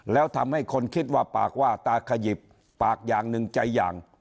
แล้วทำให้คนคิดว่าปากว่าตาขยิบปากอย่างหนึ่งใจอย่าง